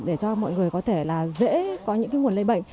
để cho mọi người có thể là dễ có những nguồn lây bệnh